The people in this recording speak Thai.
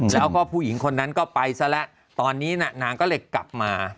แล้วก็ผู้หญิงคนนั้นก็ไปซะแล้วตอนนี้นางก็เลยกลับมา